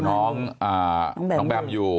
น้องแบมอยู่